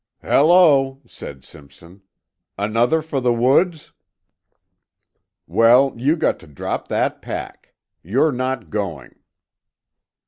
"Hello!" said Simpson. "Another for the woods? Well, you got to drop that pack. You're not going."